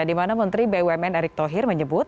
di mana menteri bumn erick thohir menyebut